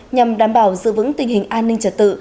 nhằm đảm bảo giữ vững tình hình an ninh trật tự